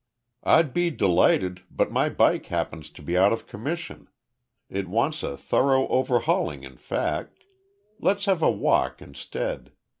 "I'd be delighted, but my bike happens to be out of commission. It wants a thorough overhauling in fact. Let's have a walk instead.